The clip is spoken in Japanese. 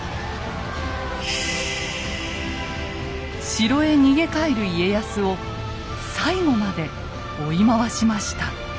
城へ逃げ帰る家康を最後まで追い回しました。